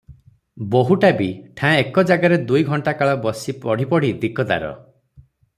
ବୋହୂଟା ବି ଠାଁ ଏକ ଜାଗାରେ ଦୁଇ ଘଣ୍ଟାକାଳ ବସି ପଢ଼ି ପଢ଼ି ଦିକଦାର ।